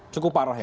cukup parah ya pak